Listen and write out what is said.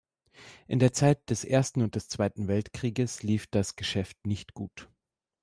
In der Zeit des Ersten und des Zweiten Weltkrieges lief das Geschäft nicht gut.